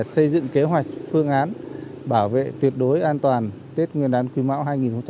xây dựng kế hoạch phương án bảo vệ tuyệt đối an toàn tết nguyên đán quý mão hai nghìn hai mươi bốn